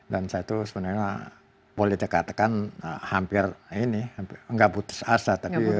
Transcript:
dan saya itu sebenarnya boleh dikatakan hampir tidak putus asa